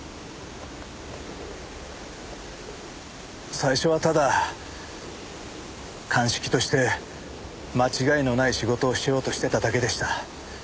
最初はただ鑑識として間違いのない仕事をしようとしてただけでした。